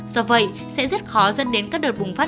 do vậy sẽ rất khó dẫn đến các đợt bùng phát